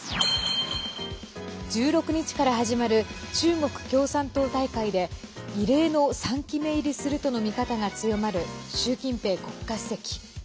１６日から始まる中国共産党大会で異例の３期目入りするとの見方が強まる習近平国家主席。